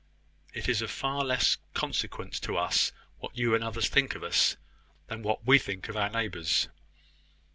It is of far less consequence to us what you and others think of us than what we think of our neighbours.